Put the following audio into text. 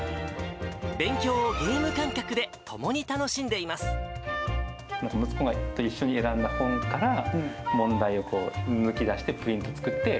勉強をゲーム感覚で共に楽しんで息子と一緒に選んだ本から、問題を抜き出してプリント作って。